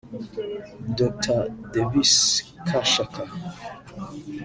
Dr Davis Kashaka